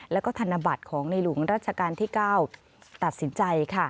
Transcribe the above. แล้วก็ธนบัตรของในหลวงรัชกาลที่๙ตัดสินใจ